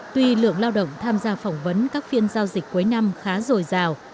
tuy lượng lao động tham gia phỏng vấn các phiên giao dịch cuối năm khá dồi dào